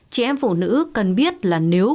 chị em phụ nữ cần biết là nếu